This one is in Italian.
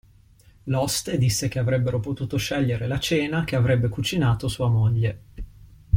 L'oste disse che avrebbero potuto scegliere la cena che avrebbe cucinato sua moglie.